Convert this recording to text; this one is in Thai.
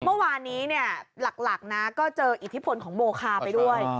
เมื่อวานนี้หลักนะก็เจออิทธิพลของโมคาไปด้วย